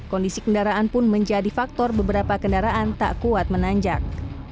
kondisi kendaraan pun menjadi faktor beberapa kendaraan tak kuat menanjak